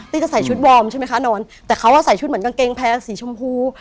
จะใส่ชุดวอร์มใช่ไหมคะนอนแต่เขาใส่ชุดเหมือนกางเกงแพงสีชมพู